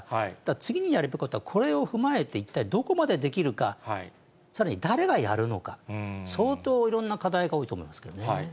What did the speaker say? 次にやるべきことは、これを踏まえて一体どこまでできるか、さらに誰がやるのか、相当、いろんな課題が多いと思いますけどね。